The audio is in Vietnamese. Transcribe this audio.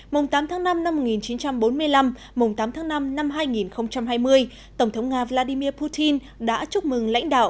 mùng tám tháng năm năm một nghìn chín trăm bốn mươi năm mùng tám tháng năm năm hai nghìn hai mươi tổng thống nga vladimir putin đã chúc mừng lãnh đạo